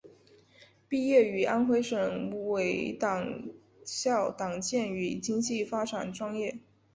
毕业于安徽省委党校党建与经济发展专业。